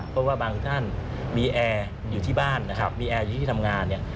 เพราะว่าบางท่านมีแอร์อยู่ที่บ้านมีแอร์อยู่ที่ทำงาน